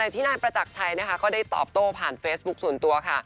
ที่นายประจักรชัยนะคะก็ได้ตอบโต้ผ่านเฟซบุ๊คส่วนตัวค่ะ